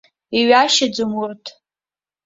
Иҩашьаӡом урҭ.